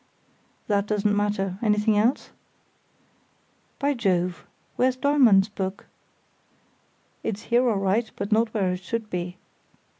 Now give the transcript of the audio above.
"That doesn't matter. Anything else?" "By Jove!—where's Dollmann's book?" "It's here all right, but not where it should be."